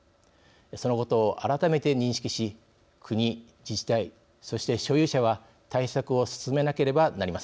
そのことを改めて認識し国自治体そして所有者は対策を進めなければなりません。